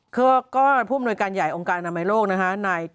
คือก็ผู้อำนวยการใหญ่องค์การอนามัยโลกนะฮะ